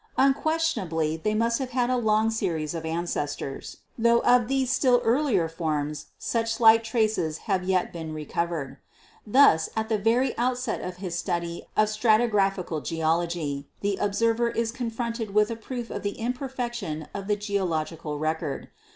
Unquesti.anably they must have had a long series 212 GEOLOGY of ancestors, tho of these still earlier forms such slight traces have yet been recovered. Thus, at the very outset of his study of stratigraphical geology, the observer is con fronted with a proof of the imperfection of the geological record.